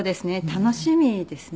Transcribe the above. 楽しみですね。